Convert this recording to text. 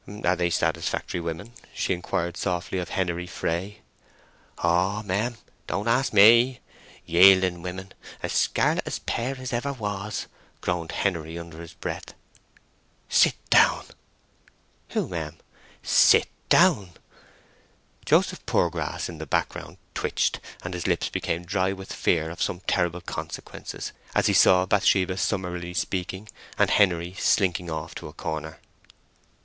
Are they satisfactory women?" she inquired softly of Henery Fray. "Oh mem—don't ask me! Yielding women—as scarlet a pair as ever was!" groaned Henery under his breath. "Sit down." "Who, mem?" "Sit down." Joseph Poorgrass, in the background twitched, and his lips became dry with fear of some terrible consequences, as he saw Bathsheba summarily speaking, and Henery slinking off to a corner.